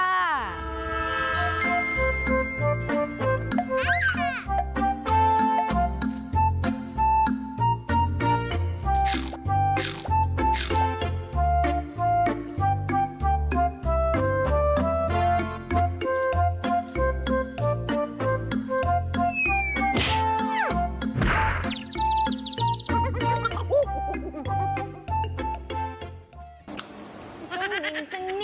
อย่าหยุด